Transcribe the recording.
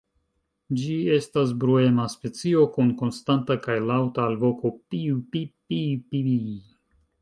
Ĝi estas bruema specio, kun konstanta kaj laŭta alvoko "pii-pip-pii-pii".